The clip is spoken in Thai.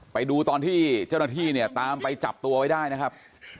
ไปดูตอนที่เจ้าหน้าที่เนี่ยตามไปจับตัวไว้ได้นะครับ